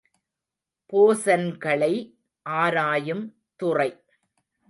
போஸன்களை ஆராயும் துறை.